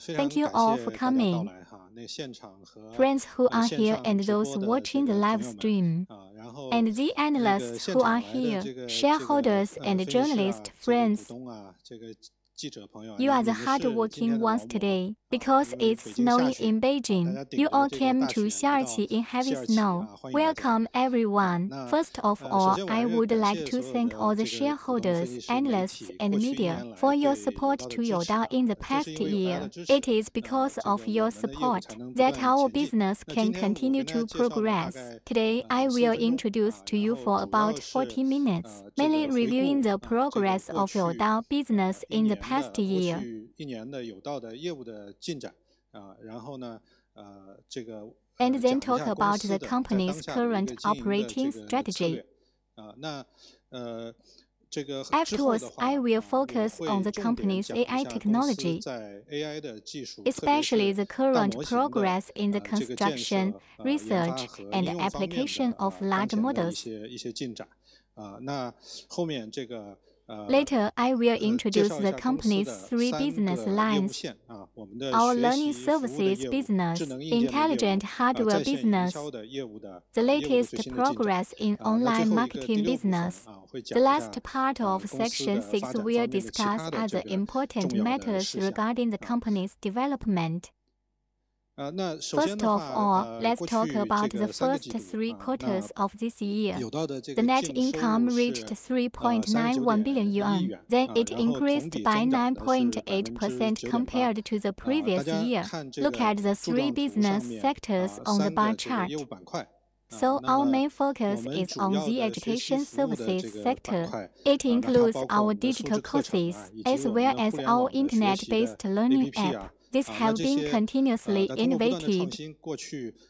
Thank you all for coming. Friends who are here and those watching the live stream, and the analysts who are here, shareholders and journalist friends, you are the hardworking ones today. Because it's snowy in Beijing, you all came to Xiaoxi in heavy snow. Welcome, everyone. First of all, I would like to thank all the shareholders, analysts, and media for your support to Youdao in the past year. It is because of your support that our business can continue to progress. Today, I will introduce to you for about 40 minutes, mainly reviewing the progress of Youdao business in the past year. And then talk about the company's current operating strategy. Afterwards, I will focus on the company's AI technology, especially the current progress in the construction, research, and application of large models. Later, I will introduce the company's three business lines: our learning services business, intelligent hardware business, the latest progress in online marketing business. The last part of section six, we'll discuss other important matters regarding the company's development. First of all, let's talk about the first three quarters of this year. The net income reached 3.91 billion yuan. Then, it increased by 9.8% compared to the previous year. Look at the three business sectors on the bar chart. So our main focus is on the education services sector. It includes our digital courses, as well as our internet-based learning app. These have been continuously innovated.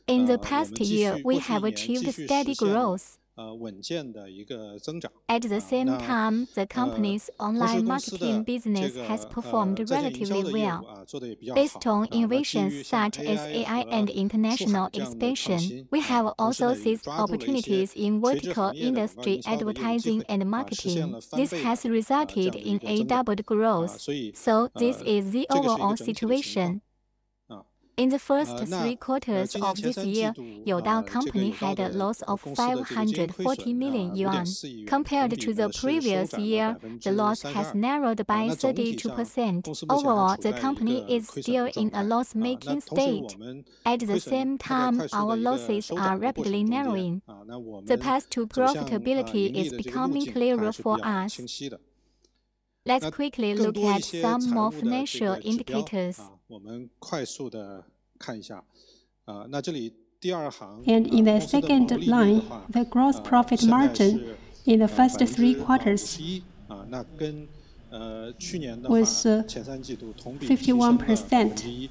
In the past year, we have achieved steady growth. At the same time, the company's online marketing business has performed relatively well. Based on innovations such as AI and international expansion, we have also seized opportunities in vertical industry, advertising, and marketing. This has resulted in a doubled growth, so this is the overall situation. In the first three quarters of this year, Youdao Company had a loss of 540 million yuan. Compared to the previous year, the loss has narrowed by 32%. Overall, the company is still in a loss-making state. At the same time, our losses are rapidly narrowing. The path to profitability is becoming clearer for us. Let's quickly look at some more financial indicators. In the second line, the gross profit margin in the first three quarters was 51%,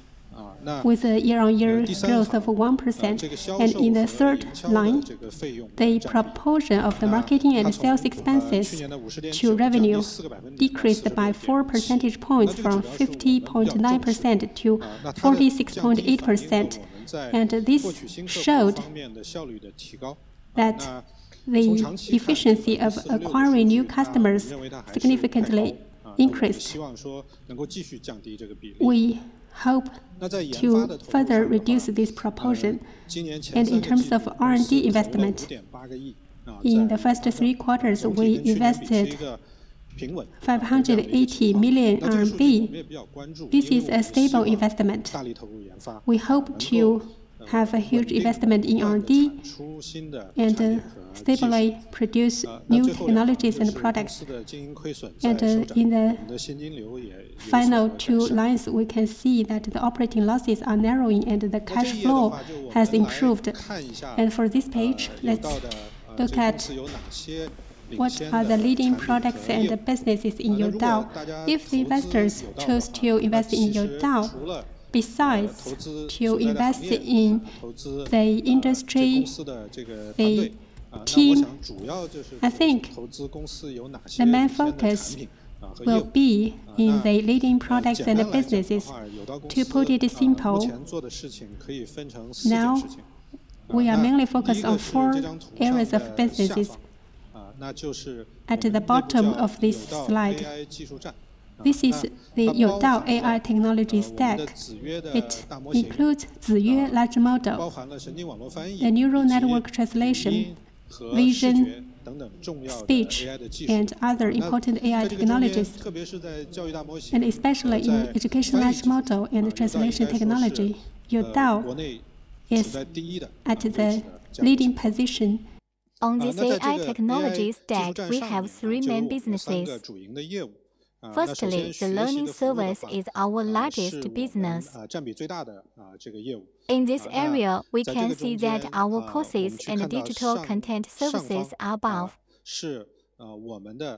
with a year-on-year growth of 1%. In the third line, the proportion of the marketing and sales expenses to revenue decreased by 4 percentage points from 50.9% to 46.8%, and this showed that the efficiency of acquiring new customers significantly increased. We hope to further reduce this proportion. In terms of R&D investment, in the first three quarters, we invested 580 million RMB. This is a stable investment. We hope to have a huge investment in R&D and steadily produce new technologies and products. In the final two lines, we can see that the operating losses are narrowing and the cash flow has improved. For this page, let's look at what are the leading products and the businesses in Youdao. If the investors chose to invest in Youdao, besides to invest in the industry, the team, I think the main focus will be in the leading products and the businesses. To put it simple, now, we are mainly focused on four areas of businesses. At the bottom of this slide, this is the Youdao AI technology stack. It includes Ziyue large model, the neural network translation, vision, speech, and other important AI technologies, and especially in education large model and translation technology, Youdao is at the leading position. On this AI technology stack, we have three main businesses. Firstly, the learning service is our largest business. In this area, we can see that our courses and digital content services are above. Uh,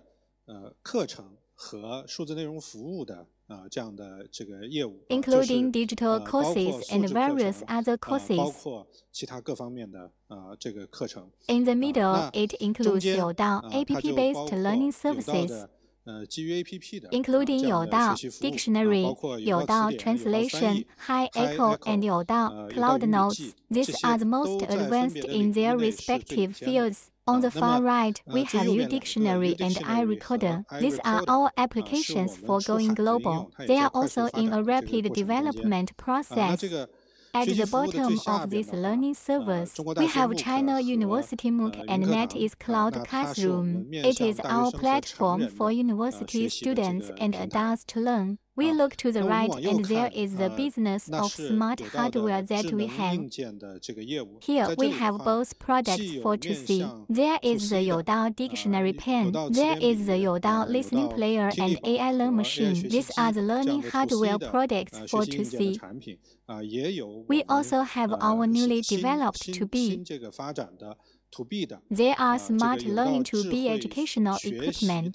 uh. Including digital courses and various other courses. Uh, In the middle, it includes Youdao app-based learning services. Uh, GPAPP, including Youdao Dictionary, Youdao Translation, Hi Echo, and Youdao Cloud Notes. These are the most advanced in their respective fields. On the far right, we have U-Dictionary and iRecorder. These are our applications for going global. They are also in a rapid development process. At the bottom of this learning service, we have China University MOOC, and that is Cloud Classroom. It is our platform for university students and adults to learn. We look to the right, and there is a business of smart hardware that we have. Here, we have both products for To C. There is the Youdao Dictionary Pen. There is the Youdao listening player and AI learn machine. These are the learning hardware products for To C. We also have our newly developed To B. They are smart learning To B educational equipment.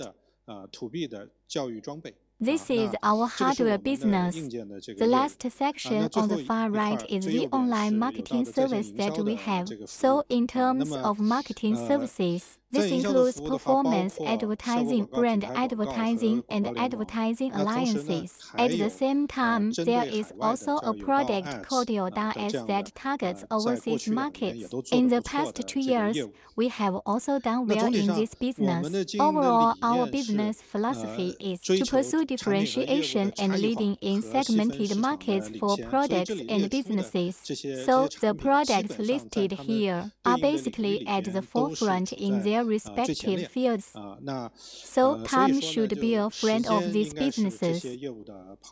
This is our hardware business. The last section on the far right is the online marketing service that we have. So in terms of marketing services, this includes performance advertising, brand advertising, and advertising alliances. At the same time, there is also a product called Youdao Ads that targets overseas markets. In the past two years, we have also done well in this business. Overall, our business philosophy is to pursue differentiation and leading in segmented markets for products and businesses. So the products listed here are basically at the forefront in their respective fields. So time should be a friend of these businesses.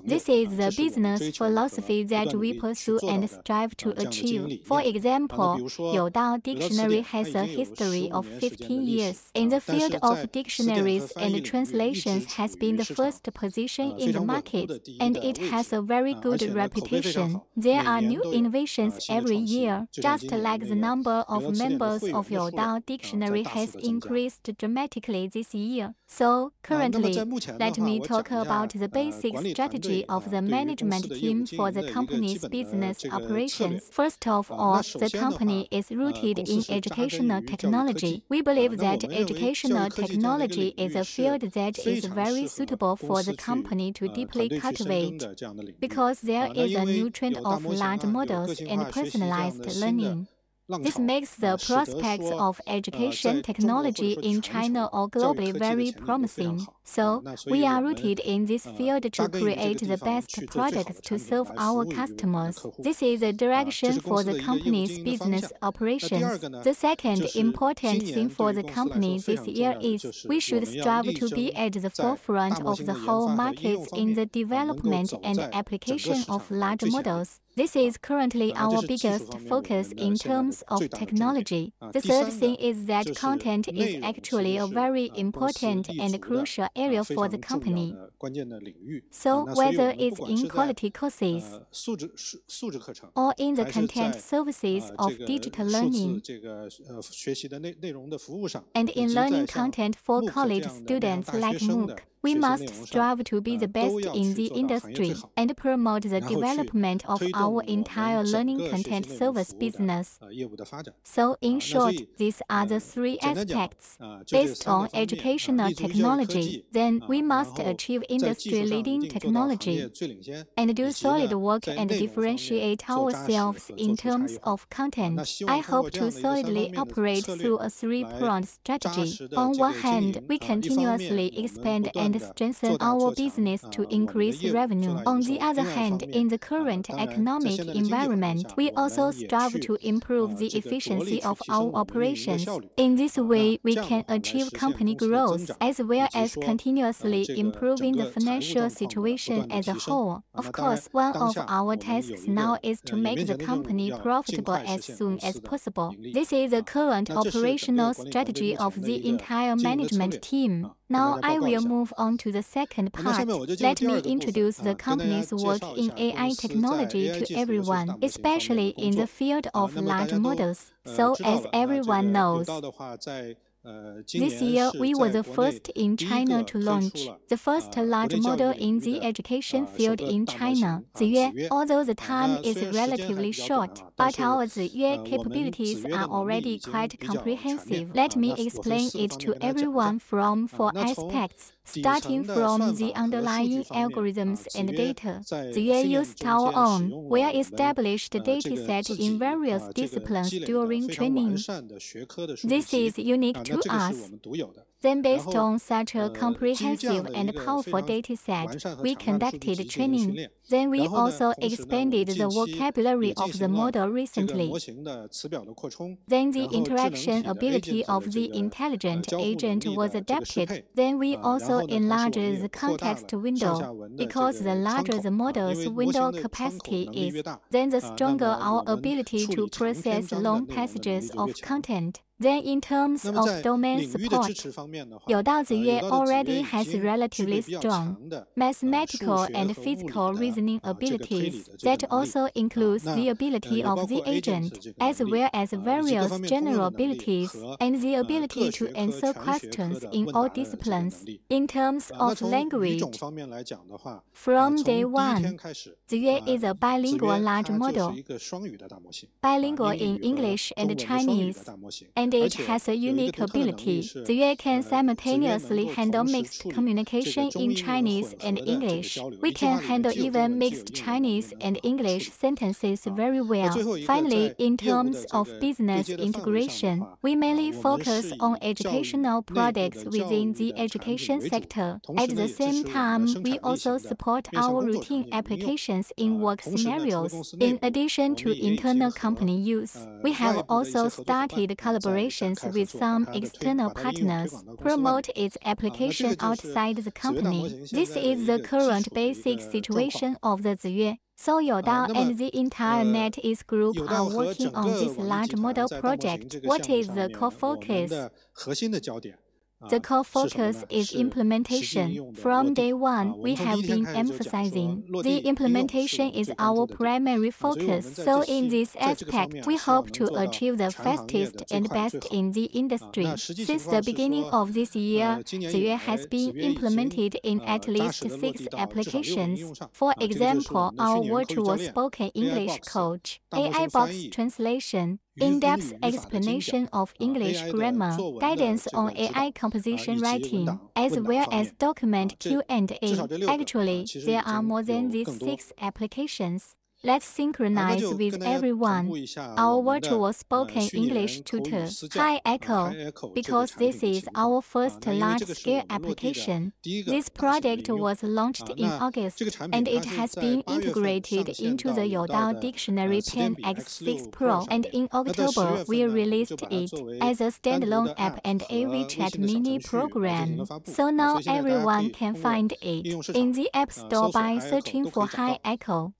This is the business philosophy that we pursue and strive to achieve. For example, Youdao Dictionary has a history of 15 years. In the field of dictionaries and translations, has been the first position in the market, and it has a very good reputation. There are new innovations every year, just like the number of members of Youdao Dictionary has increased dramatically this year. So currently, let me talk about the basic strategy of the management team for the company's business operations. First of all, the company is rooted in educational technology. We believe that educational technology is a field that is very suitable for the company to deeply cultivate, because there is a new trend of large models and personalized learning. This makes the prospects of education technology in China or globally very promising. So we are rooted in this field to create the best products to serve our customers. This is a direction for the company's business operations. The second important thing for the company this year is we should strive To B at the forefront of the whole market in the development and application of large models. This is currently our biggest focus in terms of technology. The third thing is that content is actually a very important and crucial area for the company. So whether it's in quality courses or in the content services of digital learning, and in learning content for college students like MOOC, we must strive to be the best in the industry and promote the development of our entire learning content service business. So in short, these are the three aspects. Based on educational technology, then we must achieve industry-leading technology and do solid work and differentiate ourselves in terms of content. I hope to solidly operate through a three-pronged strategy. On one hand, we continuously expand and strengthen our business to increase revenue. On the other hand, in the current economic environment, we also strive to improve the efficiency of our operations. In this way, we can achieve company growth, as well as continuously improving the financial situation as a whole. Of course, one of our tasks now is to make the company profitable as soon as possible. This is the current operational strategy of the entire management team. Now, I will move on to the second part. Let me introduce the company's work in AI technology to everyone, especially in the field of large models. As everyone knows, this year, we were the first in China to launch the first large model in the education field in China, Ziyue. Although the time is relatively short, but our Ziyue capabilities are already quite comprehensive. Let me explain it to everyone from four aspects, starting from the underlying algorithms and data. Ziyue used our own, well-established dataset in various disciplines during training. This is unique to us. Then, based on such a comprehensive and powerful dataset, we conducted training. Then we also expanded the vocabulary of the model recently. Then the interaction ability of the intelligent agent was adapted. Then we also enlarged the context window, because the larger the model's window capacity is, then the stronger our ability to process long passages of content. Then in terms of domain support, Youdao Ziyue already has relatively strong mathematical and physical reasoning abilities. That also includes the ability of the agent, as well as various general abilities and the ability to answer questions in all disciplines. In terms of language, from day one, Ziyue is a bilingual large model, bilingual in English and Chinese, and it has a unique ability. Ziyue can simultaneously handle mixed communication in Chinese and English. We can handle even mixed Chinese and English sentences very well. Finally, in terms of business integration, we mainly focus on educational products within the education sector. At the same time, we also support our routine applications in work scenarios. In addition to internal company use, we have also started collaborations with some external partners, promote its application outside the company. This is the current basic situation of the Ziyue. So Youdao and the entire NetEase group are working on this large model project. What is the core focus? The core focus is implementation. From day one, we have been emphasizing the implementation is our primary focus. So in this aspect, we hope to achieve the fastest and best in the industry. Since the beginning of this year, Ziyue has been implemented in at least six applications. For example, our virtual spoken English coach, AI box translation, in-depth explanation of English grammar, guidance on AI composition writing, as well as document Q&A. Actually, there are more than these six applications. Let's synchronize with everyone our virtual spoken English tutor, Hi Echo, because this is our first large-scale application. This product was launched in August, and it has been integrated into the Youdao Dictionary Pen X6 Pro, and in October, we released it as a standalone app and a WeChat Mini Program. So now everyone can find it in the App Store by searching for Hi Echo.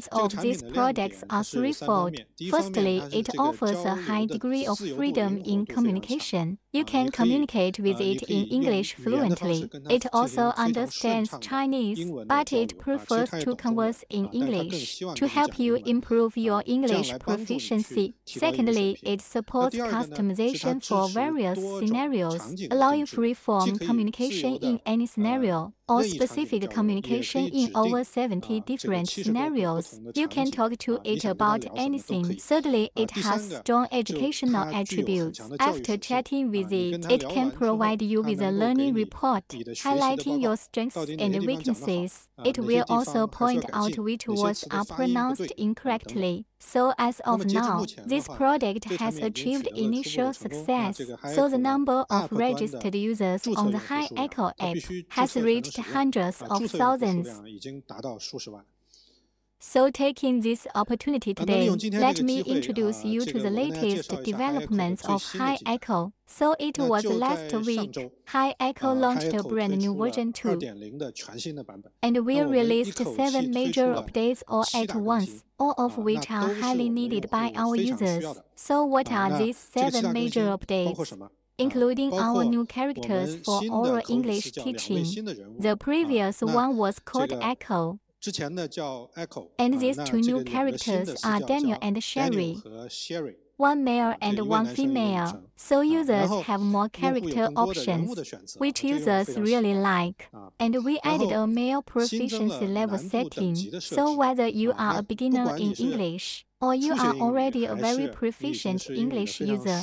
The highlights of this product are threefold: firstly, it offers a high degree of freedom in communication. You can communicate with it in English fluently. It also understands Chinese, but it prefers to converse in English to help you improve your English proficiency. Secondly, it supports customization for various scenarios, allowing free-form communication in any scenario or specific communication in over 70 different scenarios. You can talk to it about anything. Thirdly, it has strong educational attributes. After chatting with it, it can provide you with a learning report, highlighting your strengths and weaknesses. It will also point out which words are pronounced incorrectly. So as of now, this product has achieved initial success, so the number of registered users on the Hi Echo app has reached hundreds of thousands. So taking this opportunity today, let me introduce you to the latest developments of Hi Echo. So it was last week, Hi Echo launched a brand-new version 2, and we released seven major updates all at once, all of which are highly needed by our users. So what are these seven major updates? Including our new characters for oral English teaching. The previous one was called Echo, and these two new characters are Daniel and Sherry, one male and one female, so users have more character options, which users really like. We added a male proficiency level setting, so whether you are a beginner in English or you are already a very proficient English user,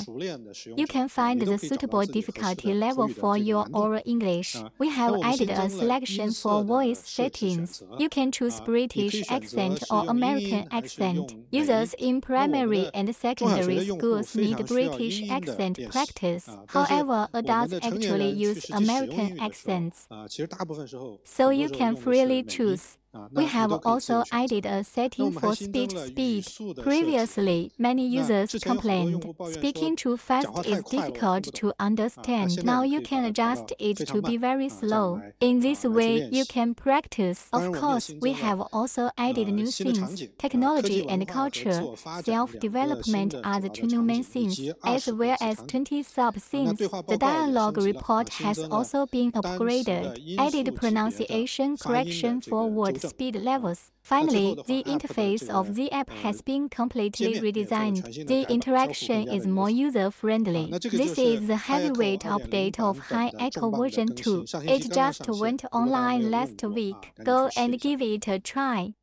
you can find the suitable difficulty level for your oral English. We have added a selection for voice settings. You can choose British accent or American accent. Users in primary and secondary schools need British accent practice. However, adults actually use American accents, so you can freely choose. We have also added a setting for speech speed. Previously, many users complained, speaking too fast is difficult to understand. Now you can adjust it to be very slow. In this way, you can practice. Of course, we have also added new scenes: technology and culture, self-development are the two new main scenes, as well as 20 sub-scenes. The dialogue report has also been upgraded. Added pronunciation correction for word speed levels. Finally, the interface of the app has been completely redesigned. The interaction is more user-friendly. This is the heavyweight update of Hi Echo version 2. It just went online last week. Go and give it a try.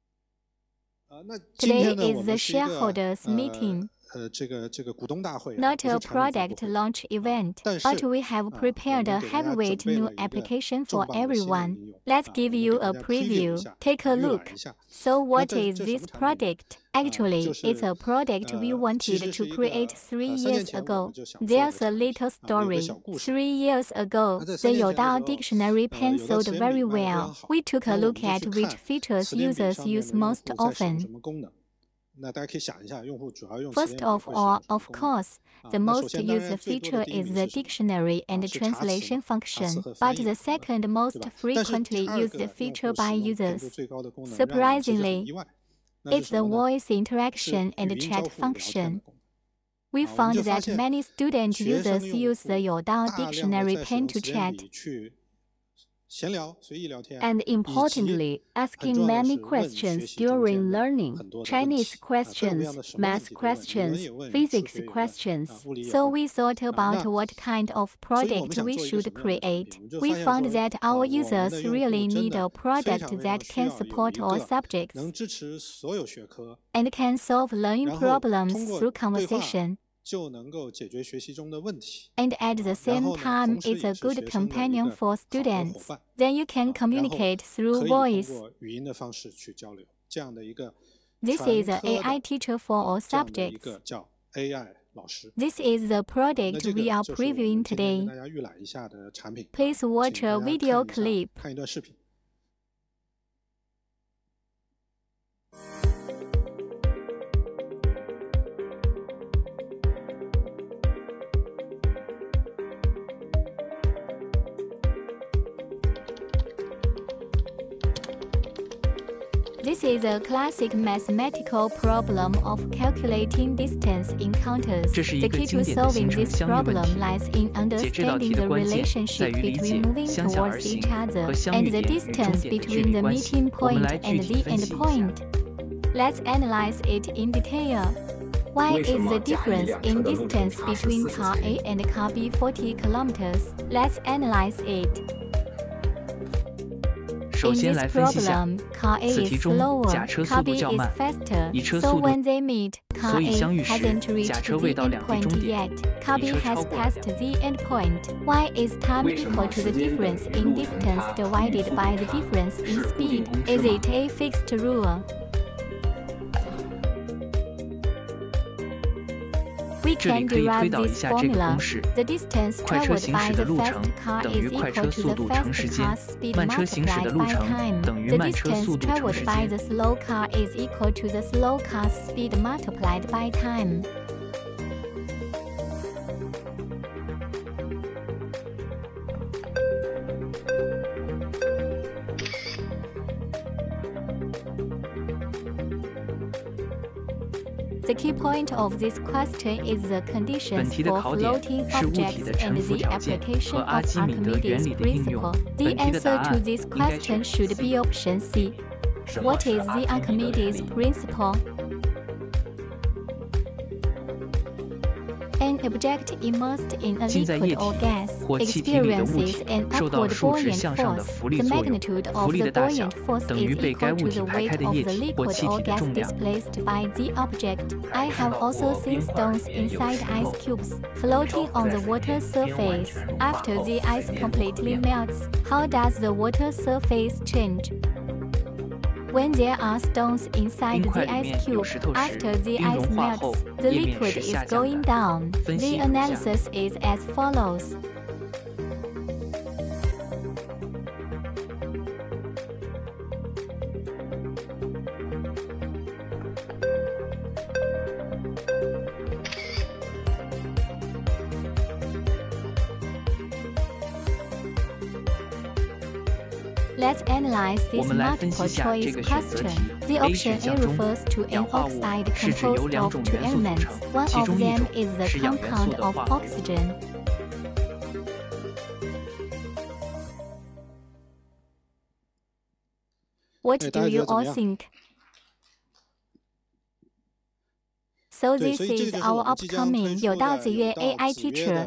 Today is the shareholders' meeting, not a product launch event, but we have prepared a heavyweight new application for everyone. Let's give you a preview. Take a look. So what is this product? Actually, it's a product we wanted to create three years ago. There's a little story. Three years ago, the Youdao Dictionary Pen sold very well. We took a look at which features users use most often. First of all, of course, the most used feature is the dictionary and the translation function, but the second most frequently used feature by users, surprisingly, is the voice interaction and the chat function. We found that many student users use the Youdao Dictionary Pen to chat, and importantly, asking many questions during learning: Chinese questions, math questions, physics questions. So we thought about what kind of product we should create. We found that our users really need a product that can support all subjects and can solve learning problems through conversation, and at the same time, it's a good companion for students. Then you can communicate through voice. This is an AI teacher for all subjects. This is the product we are previewing today. Please watch a video clip. This is a classic mathematical problem of calculating distance in counters. The key to solving this problem lies in understanding the relationship between moving towards each other and the distance between the meeting point and the endpoint. Let's analyze it in detail. Why is the difference in distance between car A and car B 40km? Let's analyze it. In this problem, car A is slower, car B is faster. So when they meet, car A hasn't reached the endpoint yet. Car B has passed the endpoint. Why is time equal to the difference in distance divided by the difference in speed? Is it a fixed rule? We can derive this formula: The distance traveled by the first car is equal to the first car's speed multiplied by time. The distance traveled by the slow car is equal to the slow car's speed multiplied by time. The key point of this question is the conditions for floating objects and the application of Archimedes' Principle. The answer to this question should be option C. What is the Archimedes' Principle? An object immersed in a liquid or gas experiences an upward buoyant force. The magnitude of the buoyant force is equal to the weight of the liquid or gas displaced by the object. I have also seen stones inside ice cubes floating on the water surface. After the ice completely melts, how does the water surface change? When there are stones inside the ice cube, after the ice melts, the liquid is going down. The analysis is as follows. Let's analyze this multiple-choice question. The option A refers to an oxide composed of two elements. One of them is the compound of oxygen. What do you all think? So this is our upcoming Youdao Ziyue AI teacher.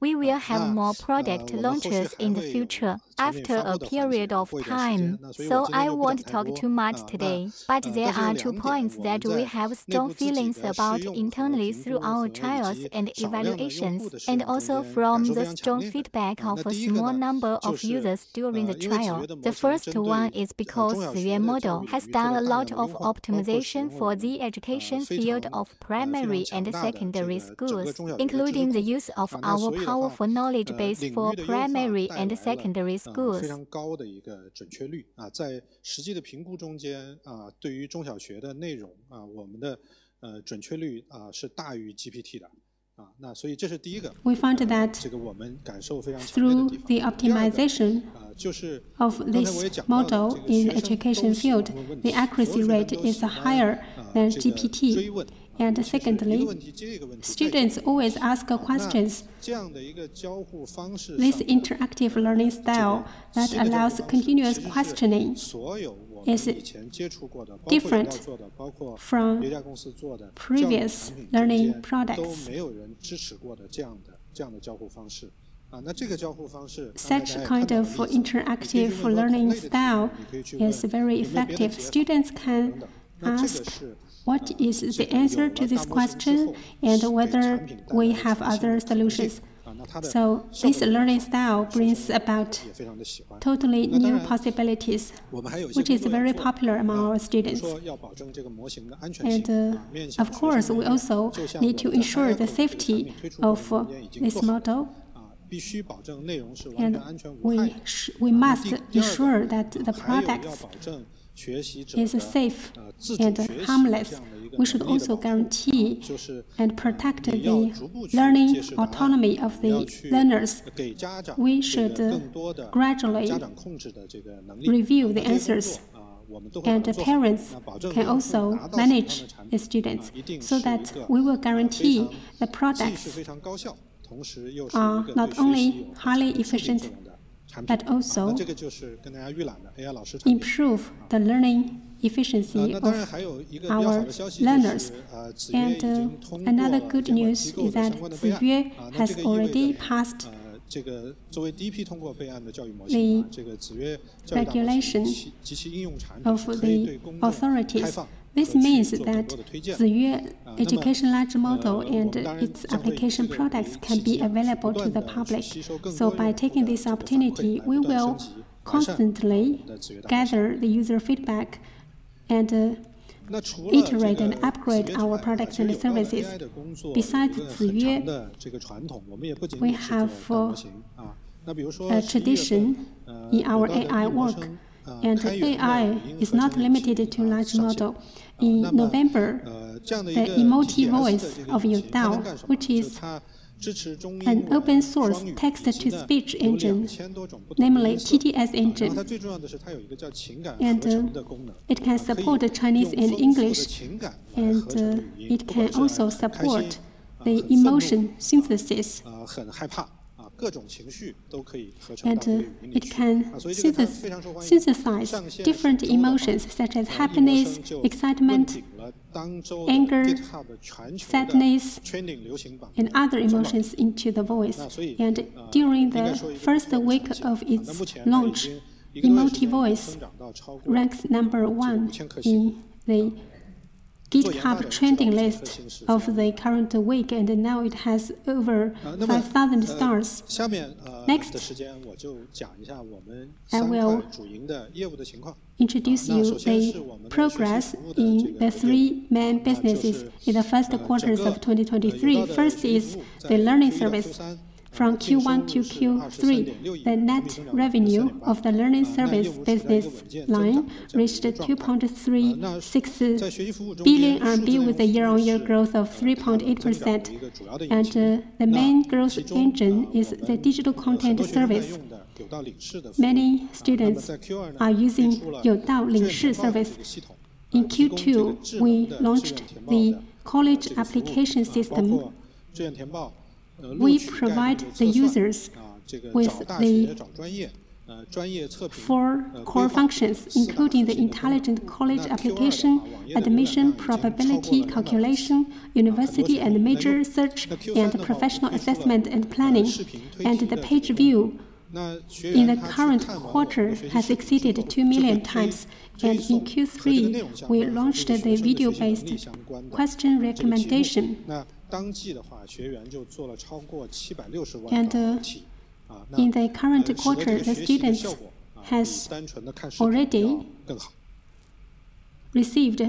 We will have more product launches in the future after a period of time, so I won't talk too much today. But there are two points that we have strong feelings about internally through our trials and evaluations, and also from the strong feedback of a small number of users during the trial. The first one is because the Ziyue model has done a lot of optimization for the education field of primary and secondary schools, including the use of our powerful knowledge base for primary and secondary schools. We found that through the optimization of this model in education field, the accuracy rate is higher than GPT. Secondly, students always ask questions. This interactive learning style that allows continuous questioning is different from previous learning products. Such kind of interactive learning style is very effective. Students can ask, what is the answer to this question? and whether we have other solutions. So this learning style brings about totally new possibilities, which is very popular among our students. And, of course, we also need to ensure the safety of this model. And we must ensure that the product is safe and harmless. We should also guarantee and protect the learning autonomy of the learners. We should gradually review the answers, and the parents can also manage the students so that we will guarantee the products are not only highly efficient, but also improve the learning efficiency of our learners. Another good news is that Ziyue has already passed the regulations of the authorities. This means that Ziyue education large model and its application products can be available to the public. So by taking this opportunity, we will constantly gather the user feedback and iterate and upgrade our products and services. Besides Ziyue, we have a tradition, in our AI work, and AI is not limited to large model. In November, the EmotiVoice of Youdao, which is an open source text-to-speech engine, namely TTS engine. And it can support Chinese and English, and it can also support the emotion synthesis. And it can synthesize different emotions such as happiness, excitement, anger, sadness, and other emotions into the voice. And during the first week of its launch, EmotiVoice ranks number one in the GitHub trending list of the current week, and now it has over 5,000 stars. Next, I will introduce you the progress in the three main businesses in the first quarters of 2023. First is the learning service. From Q1 to Q3, the net revenue of the learning service business line reached 2.36 billion RMB, with a year-on-year growth of 3.8%. And, the main growth engine is the digital content service. Many students are using Youdao Lingxi service. In Q2, we launched the college application system. We provide the users with the four core functions, including the intelligent college application, admission, probability calculation, university and major search, and professional assessment and planning. And the page view in the current quarter has exceeded 2 million times. And in Q3, we launched the video-based question recommendation. And, in the current quarter, the students has already received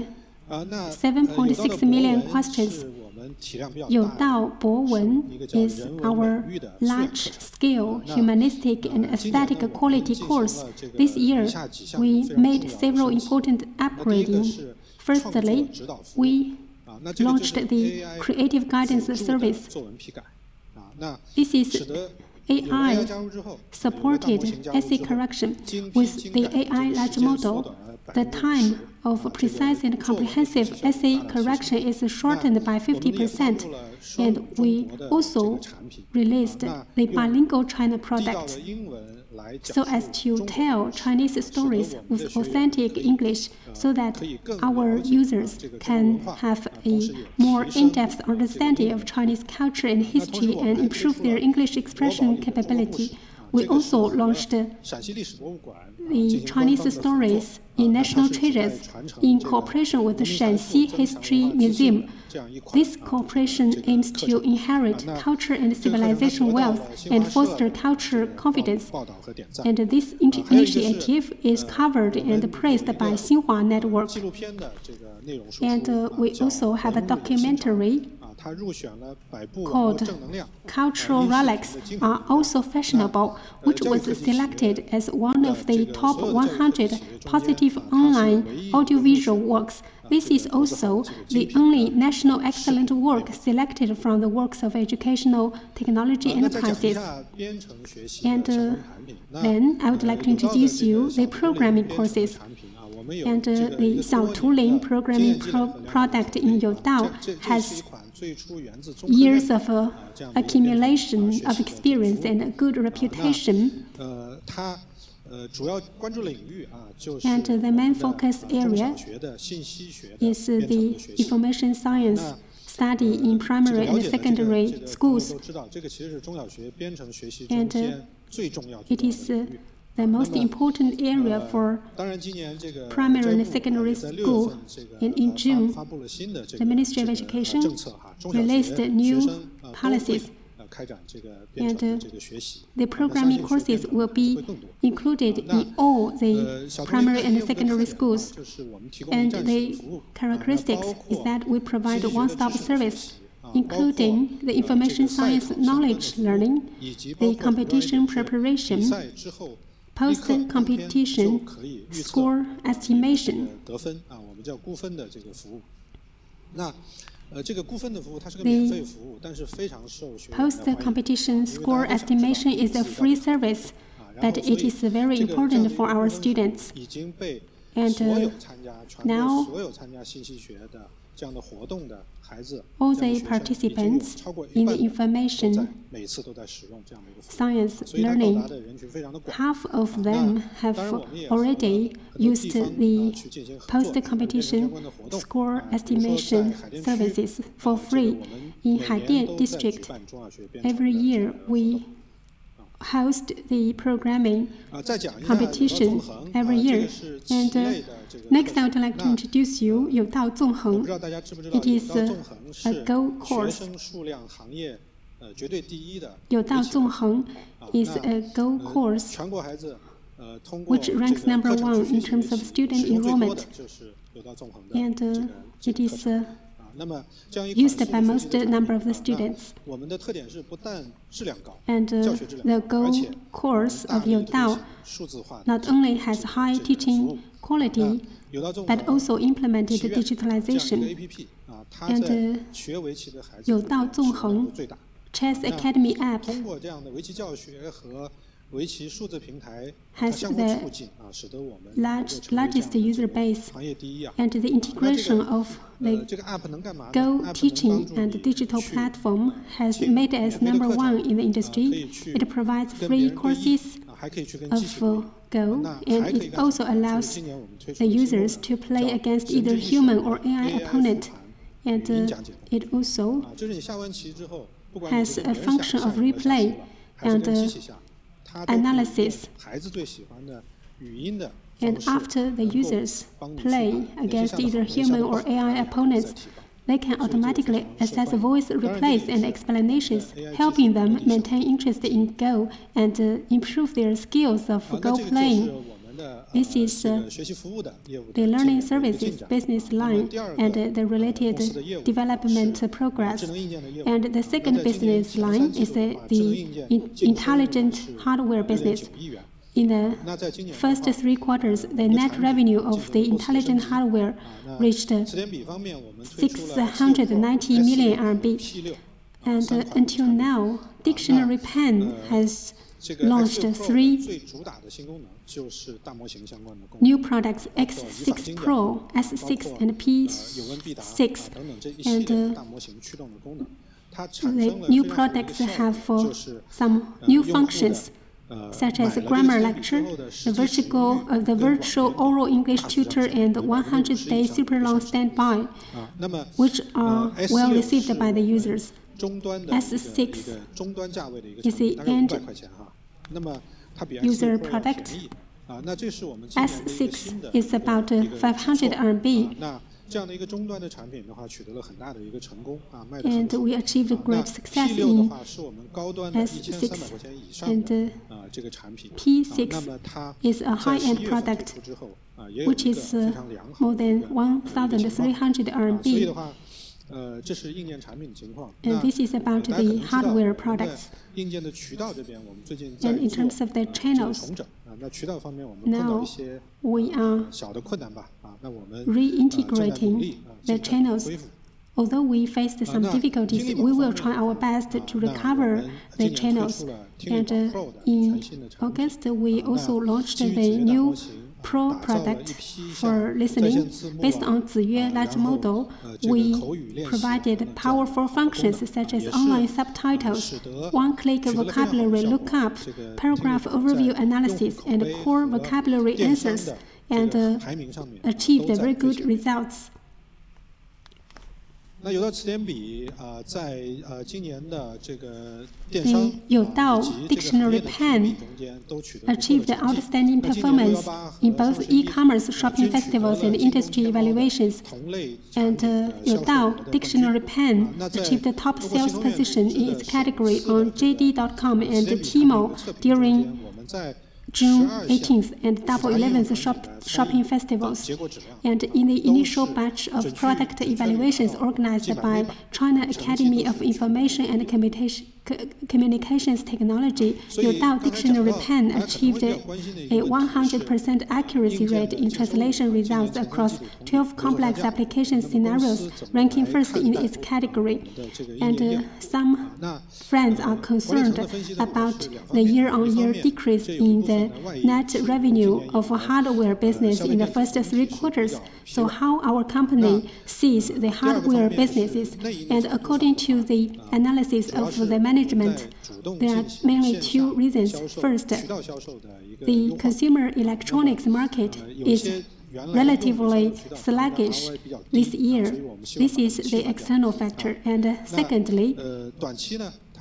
7.6 million questions. Youdao Bowen is our large-scale humanistic and aesthetic quality course. This year, we made several important upgrading. Firstly, we launched the creative guidance service. This is AI-supported essay correction. With the AI large model, the time of precise and comprehensive essay correction is shortened by 50%, and we also released the bilingual China products, so as to tell Chinese stories with authentic English, so that our users can have a more in-depth understanding of Chinese culture and history and improve their English expression capability. We also launched the Chinese stories in national treasures in cooperation with the Shanxi History Museum. This cooperation aims to inherit culture and civilization wealth and foster culture confidence, and this initiative is covered and praised by Xinhua Network. We also have a documentary called Cultural Relics Are Also Fashionable, which was selected as one of the top 100 positive online audiovisual works. This is also the only national excellent work selected from the works of educational technology enterprises. Then I would like to introduce you the programming courses. And the Xiaotuling programming product in Youdao has years of accumulation of experience and a good reputation. And the main focus area is the information science study in primary and secondary schools. And it is the most important area for primary and secondary school. And in June, the Ministry of Education released new policies, and the programming courses will be included in all the primary and secondary schools. And the characteristics is that we provide a one-stop service, including the information science knowledge learning, the competition preparation, post-competition score estimation. The post-competition score estimation is a free service, but it is very important for our students. And now, all the participants in the information science learning, half of them have already used the post-competition score estimation services for free. In Haidian District, every year, we host the programming competition every year. Next, I would like to introduce you, Youdao Zongheng. It is a Go course. Youdao Zongheng is a Go course, which ranks number one in terms of student enrollment, and it is used by most number of the students. The Go course of Youdao not only has high teaching quality, but also implemented digitalization. Youdao Zongheng Chess Academy app has the largest user base, and the integration of the Go teaching and digital platform has made us number one in the industry. It provides free courses of Go, and it also allows the users to play against either human or AI opponent, and it also has a function of replay and analysis. After the users play against either human or AI opponents, they can automatically access voice replays and explanations, helping them maintain interest in Go and improve their skills of Go playing. This is the learning services business line and the related development progress. The second business line is the intelligent hardware business. In the first three quarters, the net revenue of the intelligent hardware reached 690 million RMB. Until now, dictionary pen has launched three new products: X6 Pro, S6, and P6. The new products have some new functions, such as grammar lecture, the virtual oral English tutor, and 100-day super long standby, which are well received by the users. S6 is the end user product. S6 is about 500 million RMB. We achieved great success in S6. P6 is a high-end product, which is more than 1,300 RMB. This is about the hardware products. In terms of the channels, now, we are reintegrating the channels. Although we faced some difficulties, we will try our best to recover the channels. In August, we also launched the new Pro product for listening. Based on Ziyue large model, we provided powerful functions such as online subtitles, one-click vocabulary lookup, paragraph overview analysis, and core vocabulary answers, and achieved very good results. The Youdao Dictionary Pen achieved an outstanding performance in both e-commerce, shopping festivals, and industry evaluations. Youdao Dictionary Pen achieved the top sales position in its category on JD.com and Tmall during 18 June and Double Eleven shopping festivals. In the initial batch of product evaluations organized by China Academy of Information and Communications Technology, Youdao Dictionary Pen achieved a 100% accuracy rate in translation results across 12 complex application scenarios, ranking first in its category. Some friends are concerned about the year-on-year decrease in the net revenue of hardware business in the first three quarters. How our company sees the hardware businesses, and according to the analysis of the management, there are mainly two reasons. First, the consumer electronics market is relatively sluggish this year. This is the external factor. Secondly,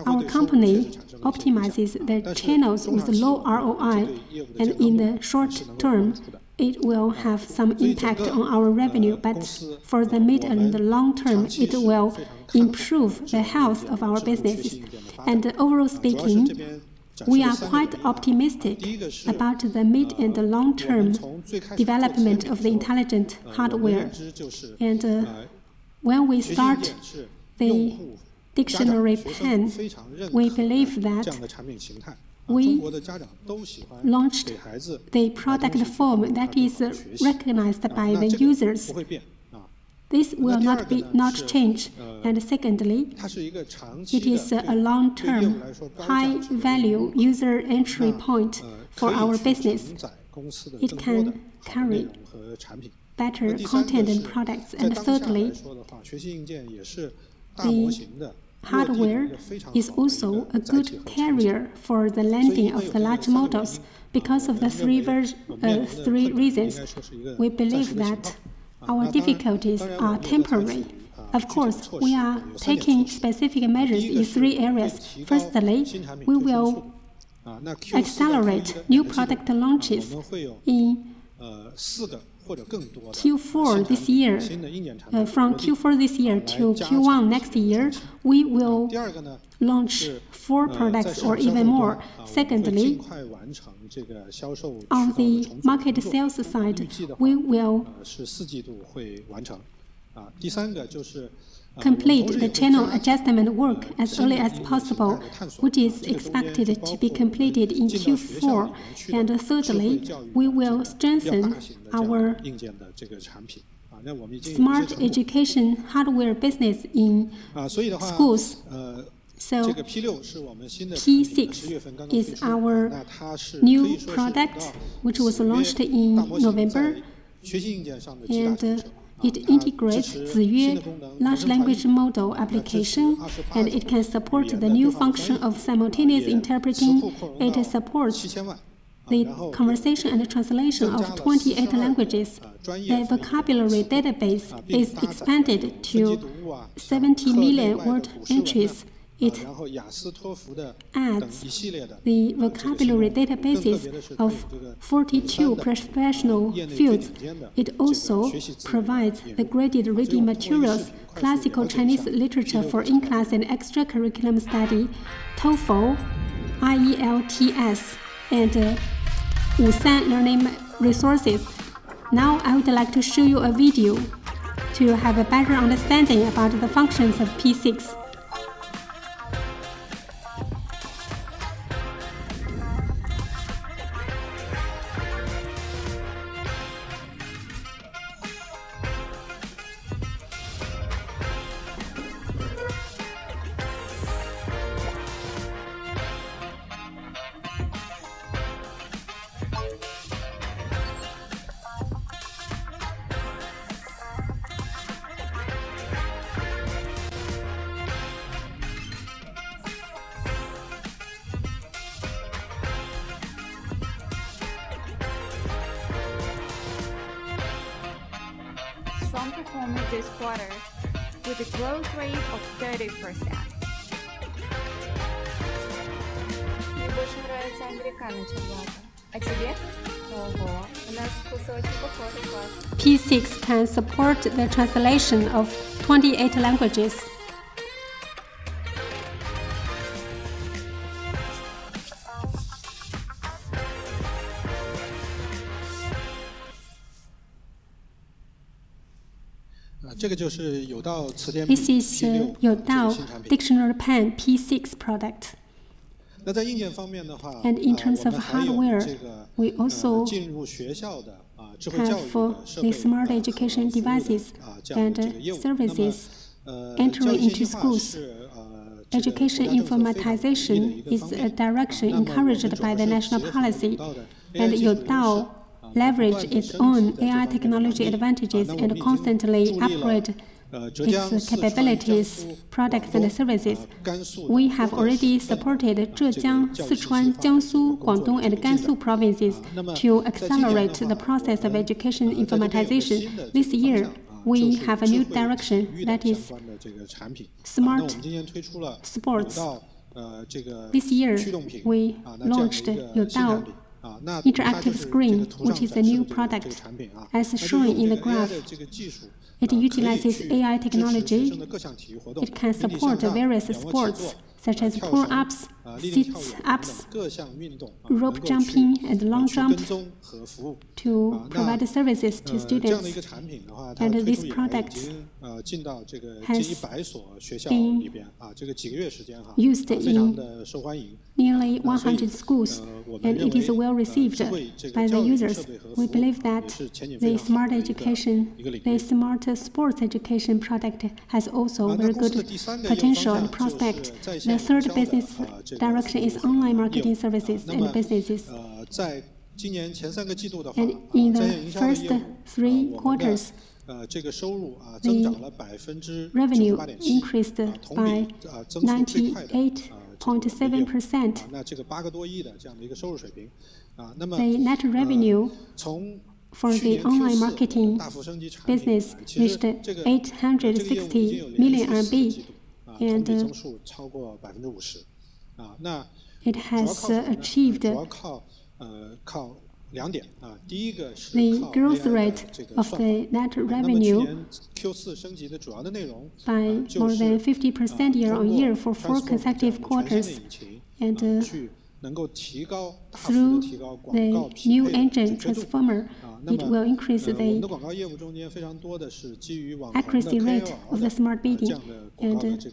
our company optimizes the channels with low ROI, and in the short term, it will have some impact on our revenue, but for the mid and the long term, it will improve the health of our business. Overall speaking, we are quite optimistic about the mid- and long-term development of the intelligent hardware. When we start the dictionary pen, we believe that we launched the product form that is recognized by the users. This will not be, not change. Secondly, it is a long-term, high-value user entry point for our business. It can carry better content and products. And thirdly, the hardware is also a good carrier for the landing of the large models. Because of the three reasons, we believe that our difficulties are temporary. Of course, we are taking specific measures in three areas. Firstly, we will accelerate new product launches in Q4 this year. From Q4 this year to Q1 next year, we will launch four products or even more. Secondly, on the market sales side, we will, complete the channel adjustment work as early as possible, which is expected to be completed in Q4. Thirdly, we will strengthen our smart education hardware business in schools. P6 is our new product, which was launched in November, and it integrates Ziyue large language model application, and it can support the new function of simultaneous interpreting. It supports the conversation and translation of 28 languages. The vocabulary database is expanded to 70 million word entries. It adds the vocabulary databases of 42 professional fields. It also provides the graded reading materials, classical Chinese literature for in-class and extracurricular study, TOEFL, IELTS, and Wusan learning resources. Now, I would like to show you a video to have a better understanding about the functions of P6. Some performance this quarter, with a growth rate of 30%. P6 can support the translation of 28 languages. This is Youdao Dictionary Pen P6 product. In terms of hardware, we also have for the smart education devices and services entering into schools. Education informatization is a direction encouraged by the national policy, and Youdao leverage its own AI technology advantages and constantly upgrade its capabilities, products, and services. We have already supported Zhejiang, Sichuan, Jiangsu, Guangdong, and Gansu provinces to accelerate the process of education informatization. This year, we have a new direction that is smart sports. This year, we launched Youdao Interactive Screen, which is a new product. As shown in the graph, it utilizes AI technology. It can support various sports, such as pull-ups, sit-ups, rope jumping, and long jump, to provide the services to students. This product has been used in nearly 100 schools, and it is well received by the users. We believe that the smart education, the smart sports education product has also very good potential and prospect. The third business direction is online marketing services and businesses. In the first three quarters, the revenue increased by 98.7%. The net revenue for the online marketing business reached 860 million, and it has achieved the growth rate of the net revenue by more than 50% year-on-year for four consecutive quarters. Through the new engine transformer, it will increase the accuracy rate of the smart bidding, and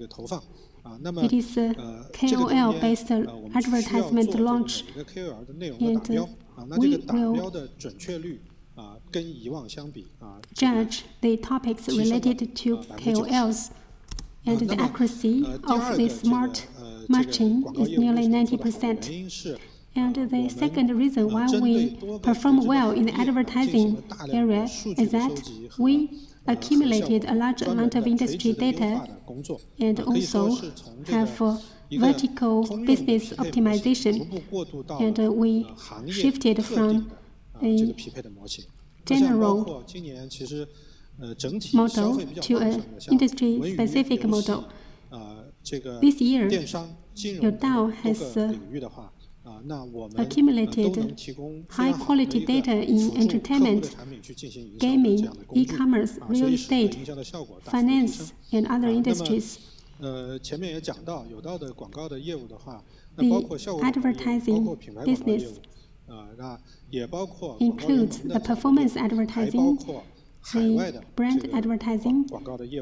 it is KOL-based advertisement launch. We will judge the topics related to KOLs, and the accuracy of the smart matching is nearly 90%. The second reason why we perform well in the advertising area is that we accumulated a large amount of industry data and also have vertical business optimization. We shifted from a general model to an industry-specific model. This year, Youdao has accumulated high-quality data in entertainment, gaming, e-commerce, real estate, finance, and other industries. The advertising business includes the performance advertising, high brand advertising,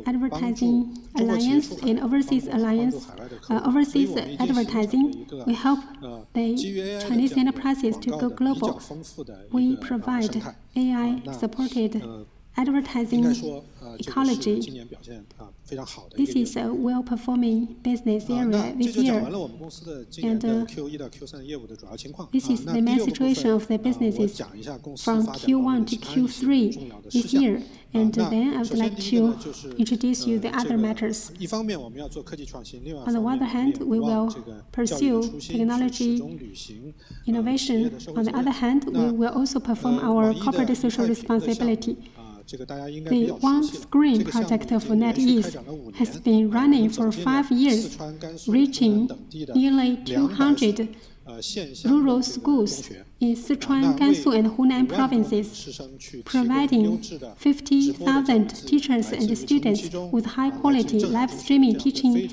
advertising alliance in overseas alliance, overseas advertising. We help the Chinese enterprises to go global. We provide AI-supported advertising ecology. This is a well-performing business area this year. This is the main situation of the businesses from Q1 to Q3 this year. Then I would like to introduce you the other matters. On the one hand, we will pursue technology innovation. On the other hand, we will also perform our corporate social responsibility. The One Screen project for NetEase has been running for five years, reaching nearly 200 rural schools in Sichuan, Gansu, and Hunan provinces, providing 50,000 teachers and students with high-quality live streaming teaching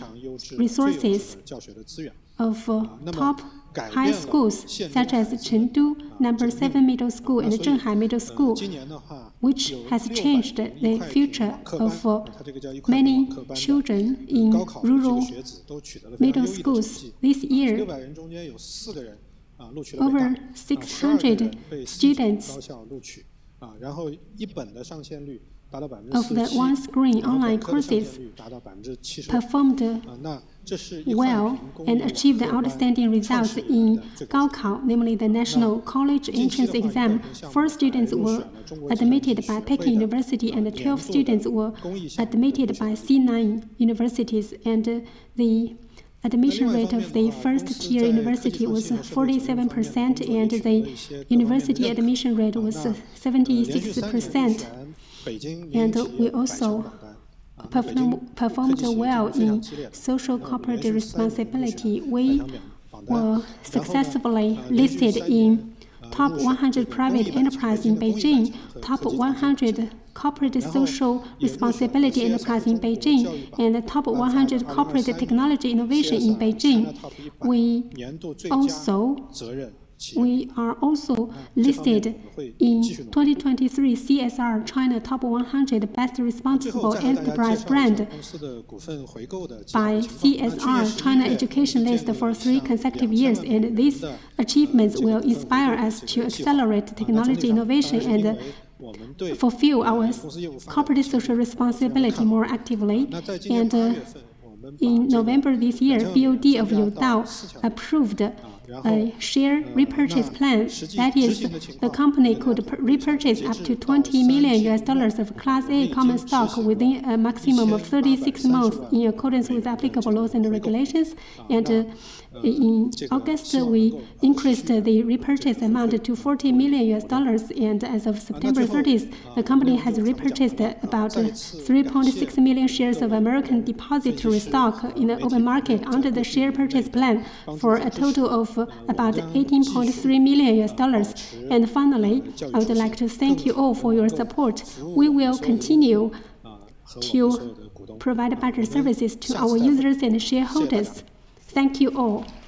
resources of top high schools, such as Chengdu Number Seven Middle School and Zhenhai Middle School, which has changed the future of many children in rural middle schools this year. Over 600 students of the One Screen online courses performed well and achieved outstanding results in Gaokao, namely the National College Entrance Exam. Four students were admitted by Peking University, and 12 students were admitted by C9 universities, and the admission rate of the first-tier university was 47%, and the university admission rate was 76%. We also performed well in social corporate responsibility. We were successfully listed in top 100 private enterprise in Beijing, top 100 corporate social responsibility enterprise in Beijing, and the top 100 corporate technology innovation in Beijing. We also... We are also listed in 2023 CSR China top 100 best responsible enterprise brand by CSR China Education List for three consecutive years, and these achievements will inspire us to accelerate technology innovation and fulfill our corporate social responsibility more actively. And, in November this year, BOD of Youdao approved a share repurchase plan. That is, the company could repurchase up to $20 million of Class A common stock within a maximum of 36 months in accordance with applicable laws and regulations. In August, we increased the repurchase amount to $40 million, and as of 30 September, the company has repurchased about 3.6 million shares of American depository stock in the open market under the share purchase plan, for a total of about $18.3 million. Finally, I would like to thank you all for your support. We will continue to provide better services to our users and shareholders. Thank you all.